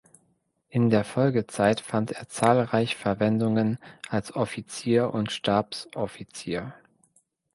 In der Folgezeit fand er zahlreich Verwendungen als Offizier und Stabsoffizier.